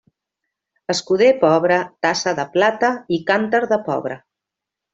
Escuder pobre, tassa de plata i cànter de pobre.